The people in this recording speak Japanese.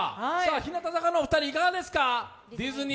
日向坂のお二人いかがですか？